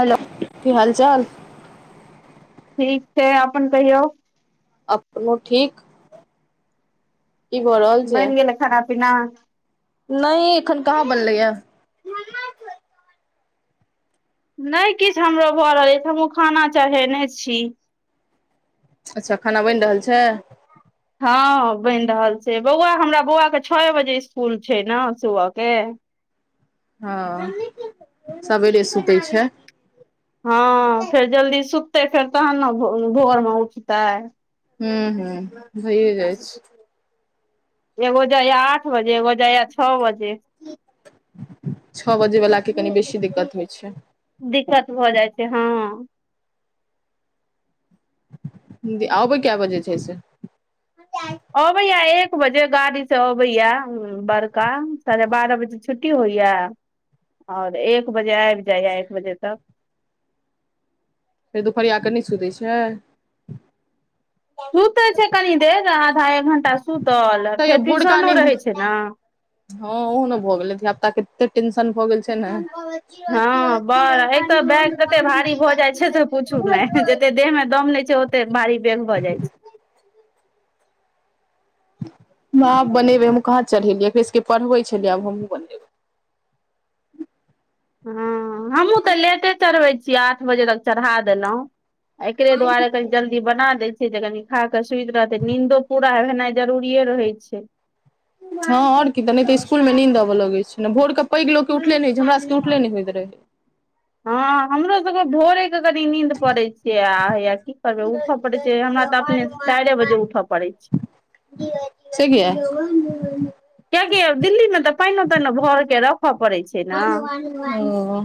Hello की हाल चाल ठीक छै अपन कहियौ अपनो ठीक की भऽ रहल छै बेन गेलै खाना पीना नहि ये एखन कहाँ बनलै या नै किछु हमरो भऽ रहल अछि हमहुँ खाना चढ़ेने छी अच्छा खाना बैन रहल छै हँ बैन रहल छै बौआ हमरा बौआ के छए बजे इसकुल छै ने सुबह के हँ सबेरे सुतै छै। हँ फेर जल्दी सुखतै फेर तहन न भो भोर मे उठतै हू हू भइए जाइ छै एगो जाइया आठ बजे एगो जाइया छ बजे छौ बजे वला के कनी बेसी दिक्कत होइ छै। दिक्कत भऽ जाइ छै हँ आबै क्य बजे छैऐे से अबैये एक बजे गाड़ी से अबैये बड़का साढ़े बारह बजे छुट्टी होइया आओर एक बजे ऐबि जाइया एक बजे तक फेर दुपहरिया के नहि सुतै छै सुतै छै कनि देर आधा एक घंटा सुतल तैयो फेर भोरका ट्यूशनो नींद रहै छै ने हँ ओहो न भऽ गेलै धिया पुता के एते टेंशन भऽ गेल छै ने हँ बड़ एक तऽ बैग तते [inaudible] [inaudible] ओते देह मे दम नै छै ओते बारी बेग भऽ जाइ छै आब बनेबै हम कहाँ चढ़ेलियै एकरे सबके पढ़बै छलियै आब हमहुँ बनेबै हँ हमहूँ तऽ लेटे चढ़बै छीयै आठ बजे तक चढ़ा देलहुँ एकरे दुआरे कनि जल्दी बना देय छियै जे कनी खा क सुंत रहतै नींदो पूरा भेनाइ जरूरिेए रहै छै हँ आओऔर की तऽ नहि तऽ इसकुल मे नीन्द अबय लगैत छै ने भोर के पैग लोक के उठले नहि होइत छै हमरा सब उठले नहि होइत रहे हँ हमरो सबके ढोरे से कनी नींद पड़ै छियै आ हैये की करबै उठऽ पड़ै छै हमरा तऽ अपने चाइरे बजे उठऽ पड़ै छै। से किया कियकि दिल्लीमे तऽ पानिओ तैनो भर क रखय पड़ैत छै न ओ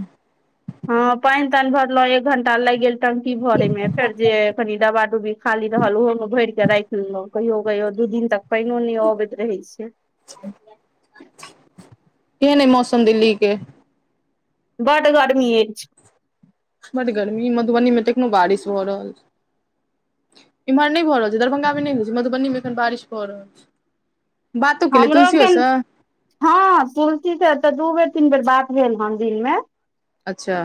हँ पानि तानि भरलहु एक घंटा लागि गेल टंकी भर मे फेर जे कनि दवा डुबी खाली रहल ओहो मे भर के राखि लेलहुँ कहियो कहियो दू दिन तक पानो नहि अबैत रहै छै कने मौसम दि ल्ली के बड गरमी ऐछ बड्ड गरमी मधुबनी मे त एखनो बारिश भऽ रहल छै इम्हर नहि भऽ रहल छै दरभंगा मे नहि हो छै मधुबनी मे एखन बारिश भ रहल छै बातो केलियै हमरो तुलसियो एकन सँ हँ तुलसी त दू बेर तीन बेर बात भेल हन दिनमे अच्छा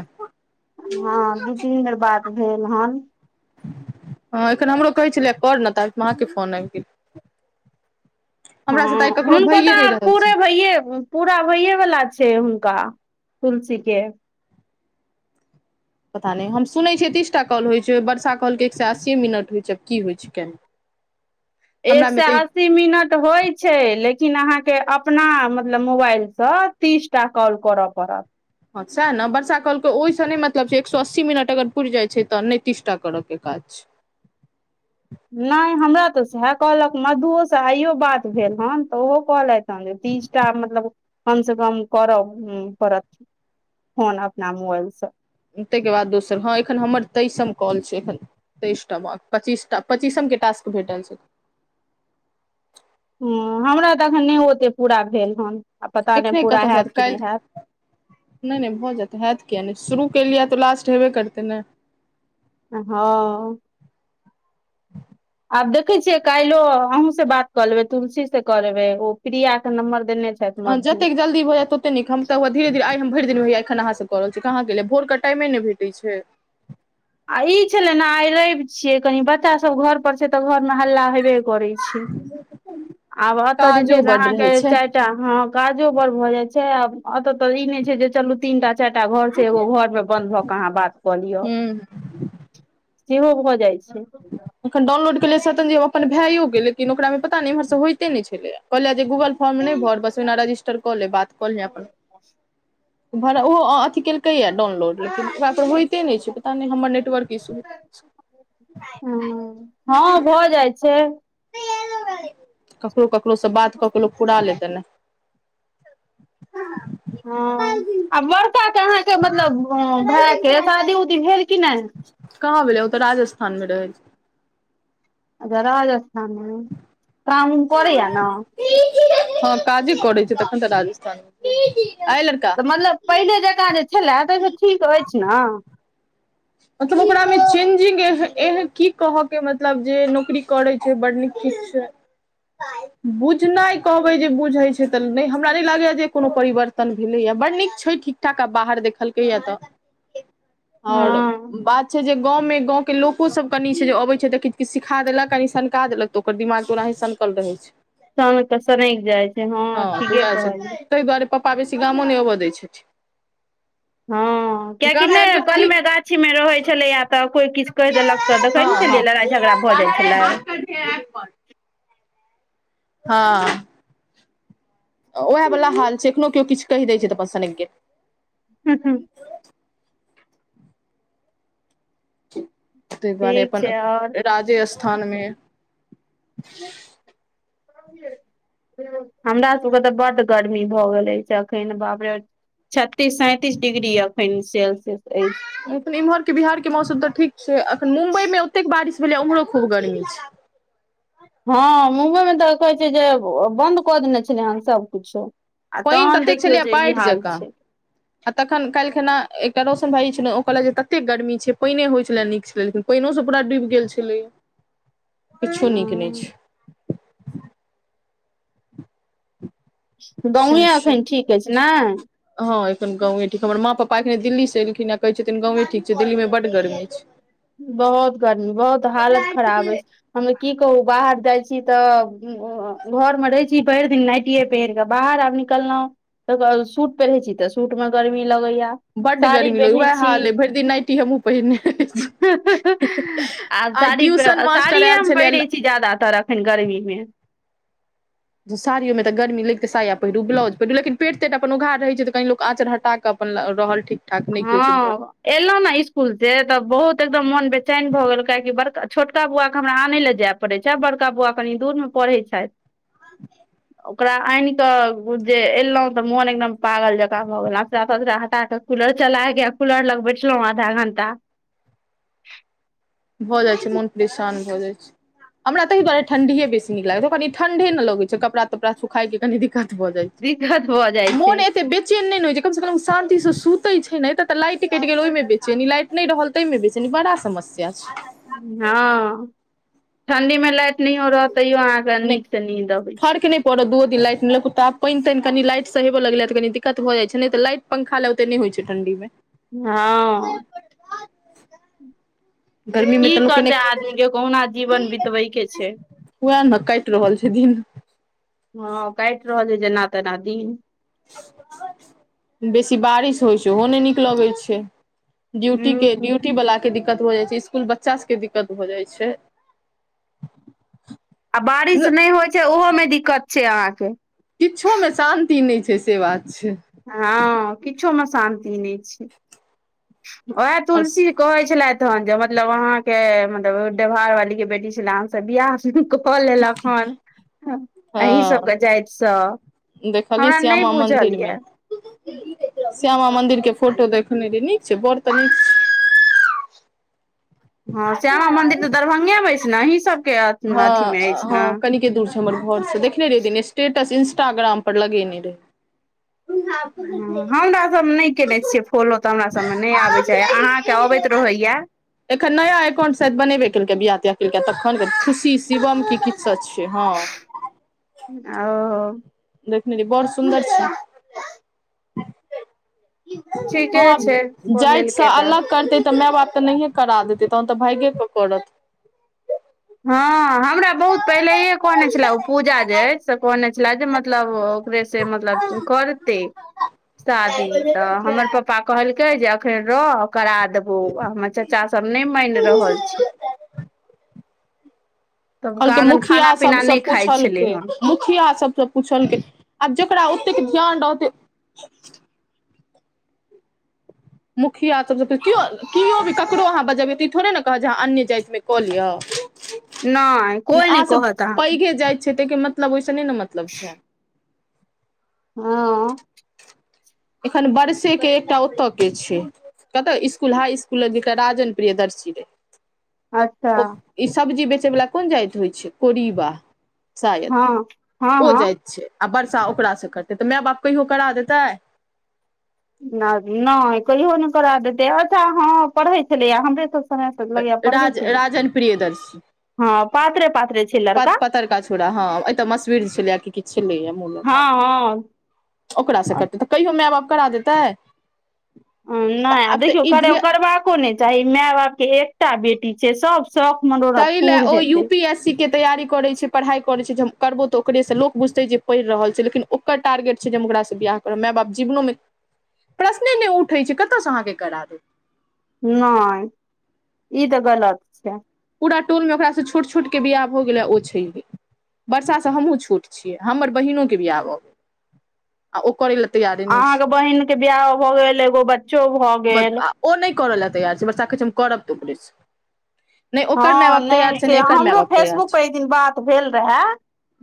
हँ दू तीन बेर बात भेल हन हँ एखन हमरो कहै छलै कर न ताबेतऽ माके फोन आबि गेलै हँ हुनको तऽ पूरे भइयए पूरा होइए वाला छै हुनका तुलसी के पता नहि हम सुनैत छियै तीसटा कॉल होइत छै वर्षा कहलकै एकसँ अस्सीए मिनट होइत छै आब की होइ छै केना एक हमरा से मे आ तऽ अस्सी मिनट होइ छै लेकिन अहाँके अपना मतलब मोबाइलसँ तिसटा कॉल करऽ पड़त सएह ने वर्षा कलके ओहिसँ नहि मतलब छै एक सए अस्सी मिनट अगर पुरि जाइ छै तऽ नै तीसटा करयके काज नहि हमरा तऽ सएह कहलक मधुओ स आइयो बात भेल हन तऽ ओहो कहलैथ तीसटा मतलब कम से कम कर पड़थ फोन अपना मोबाइलसँ ताहिके बाद दोसर हँ एखन हमर तैइसम कॉल छै एखन तेइस टा बाँक पच्चीसटा पच्चीसम के टास्क भेटल छै। हूंम्म हमरा तऽ अखन नहि ओते पूरा भेल हन आ पता नहि एखने पूरा कतयसँ हैत कि काल्हि नहि हैत। नहि नहि भऽ जातै हत कििया नहि शुरू केलियै तऽ लास्ट हेबे करतै नऽ हँ आब देखै छीे कालो अहूं से बात कर लेबैे तुलसी से क लेबै ओ प्रिया के नम्बर देने छै ह जतेक जल भऽ जा तते नीक हम तऽ धरे धीे आइ हम भरि दिन हैया एखन अहाँ कऽ रहल छी कहाँके भोर क टाइमे नहि भेटै छै आई छलै ने आइ रैव छिये कनी बच्चा सब घर पर छै तऽ घर में हल्ला हेबे करै छै आब ओतऽ जे छै काजो से बड्ड अहाँ रहै के छै चाइ हँ काजो बड़ भऽ जाय छै एत त ई नहि छै जे चलू तीनटा चारिटा घर छै एगो घर मे बंद भऽ कऽ अहाँ बात कऽ लिय। हूँ सेहो भऽ जाइ छै अखन डाउनलोड केेलियै सतनजी ओ अपन भेयो के लेकिन ओकरा मे पता नहि इम्हर सब होइते नै छेलैये। कहलिये जे गूगल फॉर्म नहि भर बस ओहिना रजिस्टर कऽ ले बात भाड़ा अथ केलकै या डाउनलोड लेकिन होइते नहि छै पता नहि हमर नेटवर्क इशू हैतेय ह हँ भऽ जाइ छै ककरो ककरोसँ बात कक लोक पुरा लेतै ने हँ [unintelligible] हँ आ बड़का अहाँके मतलब भायके शादी उदी भेल कि नहि कहाँ भेलैय ओ तऽ राजस्थानमे रहै अच्छा राजस्थानमे काम उम करैय छै ने हँ काजे करै छै तखन तऽ राजथान एहि ल तऽ मतलब पहिने जकाँ जे छलै ता से ठीक अछि ने मतलब ओकरा में चेंजिंग ए की कह के मतलब जे नौकरी करे छै बड़ नीक किछु [unintelligible] बुझनाइ कहबै जे बुझैत छै तऽ नहि हमरा नहि लागैए जे कोनो परिवर्तन भेलैए बड़ नीक छै ठीक ठ बाहर देखलकैया तऽ [inaudible] आओर हँ बात छै जे गाँंवमें गाँव के लोको सब कनि छै जे अबे छै त देख किछु सीखा देलक कनि सननका देलक तऽ ओकर दिमाग ओनाही सकल रहै छै सन के सनकि जाइ छै हँ ठीके वएह कहलियै ताहि दुआरे पपापा बेसी गामो नहि अबय दैत छथि हँ कियकि गाममे नहि आबि कऽ ठीक कलमे गाछीमे रहैत छलैएा तऽ कोइ किछु कहि देलक तऽ त कहै हँ ने हँ छलियै लड़ाई झगड़ा भऽ जाय छलै हँ उएह वला हाल छै एखनो केओ किछु कहि दैत छै तऽ अपन सनक गेल [inaudible] ताहि दुआरे ठीक अपन छै आओर राजस्थानमे हमरा सभके तऽ बड्ड गर्मी भऽ गेल अछि एखन बापरे छत्तीस सैंतीस डिग्री अखन सेल्सियस अछि लिन इम्हर के बिहार के मौसम तऽ ठीक छै अखन मुम्बई मे ओतेक बारिश भेलै उम्हरो खूब गर्मी छै हँ मुम्बइमे तऽ कहै छै जे बन्द कऽ देने छलियै हेन सबकिछो आ पानि तहन ततेक देखियौ छलैया जे ई बाढ़ि हाल जकाँ छै आ तखनाल्खना एकटा रौशन भाईी छलहु ओ कहलक जे ततेक गर्मी छै पिने होइ छलै नीक छलै लेकिन पानि से पड़ा डूबि गेल छलैा किछो नीक नहि छै हँ गाँवो सएह सब एखन ठीक अछि ने हँ एखन गाँवे ठीक हमर माँ पापा एखनि दिल्लीसँ एलखिन आ कहै छथिन गाँवे ठीक छै दिल्लीमे बड गर्मी छै बहुत गर्मी बहुत हालत खराब अछि हममे की कहू बाहर जाइ छी तऽ घर में रहे छी भरि दिन नाटिये पहिर के बाहर आब निकललहुँ त सूट पहिर छी तऽ सूट में गर्मी लगैया बड साड़ी गर्मी लगै पहिरै वएह छी हाल अए भरि दिन नटी हमहु पहिने रहै आब छीआइ ट्यूशन मास्टर आयल छलिय ज्यादातर अखन गर्मी मे स साड़ियो तऽ गर्मी लग तऽ साया पहिरू ब्लाउज पहिरु लेकिन पेट अपन उघार रहै छैऽ तऽ कनि लोक आँचर हटा कऽ अपन रहल ठीक ठाक नहि हँ केओ छै घर एलहु ने स्कूल से तऽ बहुत एकदम मोन बेचैन भए गेल काहेकि बड़का छोटका बउआ के हमरा आन ले जायब पढ़ैत छै आ बड़का बौआ कनि दूर मे पढ़ैत छथि आ [inaudible] ओकरा आनि कऽ जे एलहुँ तऽ मोन एकदम पागल जकाँ भऽ गेल अचरा तचरा हटा कऽ कूलर चलाके कूलर लग बैठलहुं आधा घं्टा भऽ जाइ छै मन परशन भऽ जाइ छै हमरा ताहिआरे ठंडीए बेस नीक लागे छै कनि ठंडे ने लग छै कड़ापड़ा सुखइ के कनि कछ भऽ दिक्कत भऽ जाइ जाए छै मन ए बेचे न नहि ने होइ छै कम से कम शं से सुते छै ने तऽ लाट कटि गेल ओहिमे बेचे न लाइट नहि रहल ताहिमे बेस बड़ा समस्या छै हँ ठंडी में लाइट नहियो रह तैयो अह नहि फरके नहि पर दू दिन लाइट लके तऽ आब पइन- तैंन लइटसँ हे लगलै तऽनी दिक्कत भ जाइ छै ने तऽ लाइट पंखा लग ओते नहि होइ छै ठंडी मे हँ गर्मी मे की तऽ लोक करते एने आदमी के कहुना जीवन बितबै के छै उएह ने काटि रहल छै दिन हँ काटि रहल छै जेना तेना दिन बेसी बारिश होइ छै ओहो नहि नीक लगैत छै ्यूटी हूँ के ्यूटी बला दिक्कत हो जाइ छै इसकुल बच्चा सबके दिक्कत हो जाइ छै आ बारिश नहि होइ छै ओहो में दिक्कत छै अहाँके किछोमे शान्ति नहि छै से बात छै हँ किछो मे शान्ति नहि छै ओएह आओर तुलसी कहे छलथिथ हेन जे मतलब वहाँ के मतलब ्यवहार वाली के बेटी छले त बियाह सब कऽ लेलक हन अही सब हँ के जातिसँ देखलियै हमरा नहि श्यामा मन्दिर बुझल यऽ मे श्यामा मंदिर के फोटो देखने रे नीक छै बड़ तऽ नीक छै हँ श्यामा मंन्दिर तऽ दरभंगे मे अछि ने अहीं सबके अथी मे अछि ने क दूर छै हमर घर से देखने रहय दने स्टेटस इंस्टाग्राम पर लगेने रहे [inaudible] ह हमरासभमे नहि कयने छियै फॉलो तऽ हमरासभमे नहि आबैत छै अहाँके अबैत रहैए एखन नया एकाउंट सब बनेबे केलकै बियिया तिया केलकै तखन गे खुशी शिवम के कित्सक छियै हँ ओ देखनेरी बड़ सुन्दर छी ठीके छै हँ कऽ जाइत से लेलकै तऽ अललग करते तऽ माय बाप तऽ नहि करा देते तहन तऽ भागे के पड़त हँ हमरा बहुत पहिलेे कहने छलए ओ पूजा जे अछि से कहने छले जे मतलब ओकरे से मतलब करते शादी तऽ हमर पापा कहल े जे अखन रह करा देबौ आ हमर चाचा सब नहि मानि रहल छै तब कहलकै कहादन मुखिया खाना पीना सबसँ नहि खाइ छलै पूछलकै हन ठिया सबसे पुछलकै जकरा ओतेक ध्यान रहतै मुखिया सभके केओ केओ भी ककरो अहाँ बजबै तऽ ई थोड़े ने कहत जे अहाँ अन्य जातिमे कऽ लिअ नहि कोइ नहि अहाँसभ कहत अहाँके पैघे जाइत छियै ताहिके मतलब ओहिस नहि ने मतलब छै हँ एखन बरसेके एकटा ओतऽ के छै कतय school high school Rajan Priyadarshi रहे अच्छा ओ ई सब्जी बेचे वला कोन जाात होइ छै कुरीबा शायद हँ हँ ओ हँ जाइत छै आ वर्षा ओकरासँ करतै तऽ माय बाप कहियो करा देतै नहि नहि कहियो नहि करा देते अच्छा हँ पढ़ै छलैए हमरे तऽ राज राजन प्रियदर्श हँ पातरे पातरे छै प लड़का पतरका छौड़ा हँ एतऽ मशीर छलैया कि छलैए मुदा हँ ओकरासँ हँ करतै तऽ कहियो माय बाप करा देतै तऽ नहि आ आब तऽ देखियौ ई धिया करबाको नहि चाही माय बापके एकटा बेटी छै सभ शौक मनोरथ ताहि लए पूर ओ यू हेतै पी एस सी के तैयारी करैत छै पढ़ाइ करैत छै जे हम करबौ तऽ ओकरेसँ लोक बुझतै जे पढ़ि रहल छै लेकिन ओकर टारगेट छै जे हम ओकरासँ ब्याह करब माय बाप जीवनोमे प्रश्ने नहि उठै छै कतय से अहाँके करा दे नहि ई तऽ गलत छै पूरा टोलमे ओकरासँ छोट छोटके बियाह भ हो गेलै ओ छैही वर्षासँ हमहुूँ छोट छियै हमर बहिनोके बियाह भ गेलै आ ओकर ल तऽ यार अहाँके बहिनक के बियाह भए गेल एगो बच्चो भए छै गेल आ ओ नहि करऽ लए तैयार छै वर्षा कहै छैहम करब त ओकरे स हँ नहि छै जे एकर माय हमरो बाप तैयार फेसबुक पर छै एक दिन बात भेल रहए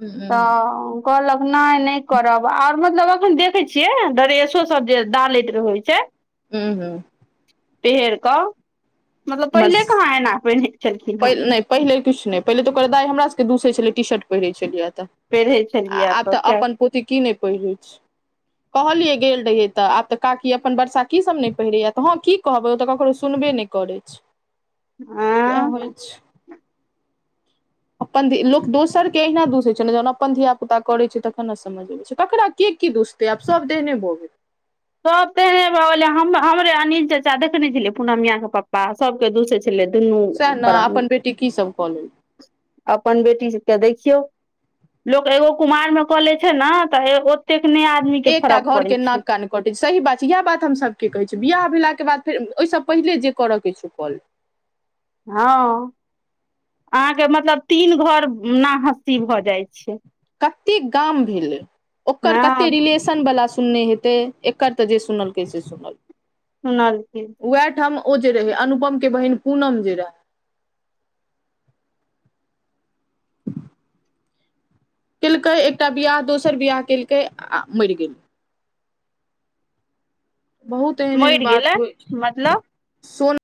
हूँ हूँ तऽ कहलक नहि नहि करब आर मतलब अखन देखे छियै ड्रेसो सब जे डालैत रहै छै हू हू पैरे कऽ मतलब पहिले बस कहाँ एना पने? नहि, पहिले किछु नहि। पहिले तऽ ओकर दाइ हमरा सभके दूसै छलै, टी शर्ट पहिरैत छलियै तऽ। पहिरै छलियै आब तऽ खैर अपन पोथी की नहि पढ़ैत छै? कहलियै, गेल रहियै तऽ आब तऽ काकी अपन वर्षा की सब नहि पहिरैया तऽ? हँ की। कहब, ओ तऽ ककरो सुनबे नहि करै छै। हा उए होइ छै। अपन लोक दोसरके अहिना दोष दैत छै ने, जहन अपन धिया पुता करै छै तखन ने बुझाइत छै ओकरा के की दोष देब। तऽ आब सभ देहने भोगे। सभ तऽ हे भऽ हमरे अनिल चाचा देखे नहि छलियै, पूनम मियाके पप्पा सभके दूसै। छलै दुनू सएह ने प्राणी। अपन बेटी की सभ कऽ लेलकै अपन बेटी सभके देखियौ, लोक एगो कुमारिमे कऽ लै छै ने तऽ ओ एतेक नहि, आदमीके फरक पड़ै छै। कटैत छै, सही बात छै। इएह बात हमसभके कहैत छी, बिआह भेलाके बाद फेर ओहिसँ पहिले जे करऽके छै, कॉल हँ, अहाँके मतलब तीन घर ने? कतेक गाम भेल ओकर? कतेक? हँ नऽ, बला सुनने हेतै एकर तऽ जे सुनलकै से सुनलकै। सुनलखिन। वएह ठाम ओ जे रहै, अनुपमके बहिन पूनम जे रहै। केलकै एकटा बियाह, दोसर बियाह केलकै आ मरि गेल। बहुत एहन एहन मरि बात गेलै होइ, मतलब सोन।